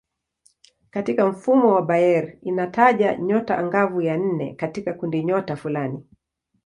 Katika mfumo wa Bayer inataja nyota angavu ya nne katika kundinyota fulani.